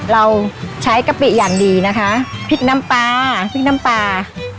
เราใช้กะปิอย่างดีนะคะพริกน้ำปลาพริกน้ำปลา